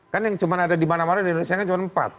kan yang cuman ada dimana mana di indonesia kan cuman empat